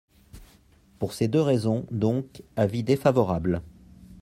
Pour ces deux raisons, donc, avis défavorable.